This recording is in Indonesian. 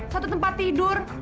satu tempat tidur